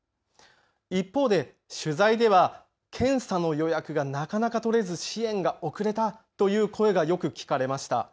一方で取材では検査の予約がなかなか取れず支援が遅れたという声がよく聞かれました。